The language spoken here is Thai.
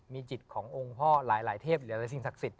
มีจิตขององค์พ่อหลายเทพหรือหลายสิ่งศักดิ์สิทธิ